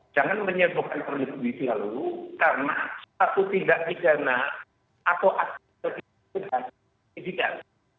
jangan menyimpulkan terlebih dahulu karena satu tindak tigana atau hasil penyidikan